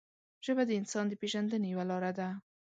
ژبه د انسان د پېژندنې یوه لاره ده